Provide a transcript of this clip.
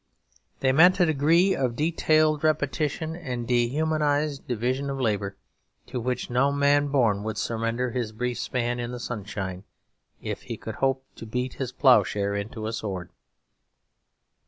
They meant a degree of detailed repetition and dehumanised division of labour, to which no man born would surrender his brief span in the sunshine, if he could hope to beat his ploughshare into a sword.